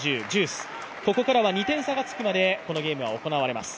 ここからは２点差がつくまで、このゲームが行われます。